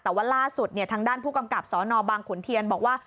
แต่ว่าล่าสุดทางด้านผู้กำกับสนบางขุนเทียนบอกว่า